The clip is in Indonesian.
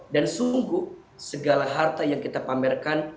dan sungguh segala harta yang kita pamerkan